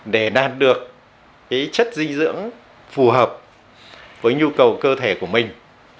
để đạt được chất dinh dưỡng phù hợp với nhu cầu cơ thể của mình